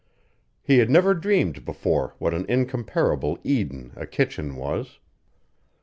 He had never dreamed before what an incomparable Eden a kitchen was!